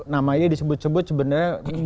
nama ini disebut sebut sebenarnya